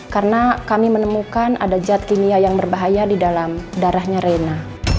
karena kami menemukan ada zat kimia yang berbahaya di dalam darahnya rena